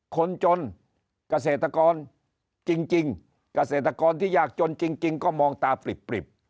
คนจนเกษตรกรจริงเกษตรกรที่ยากจนจริงก็มองตาปริบ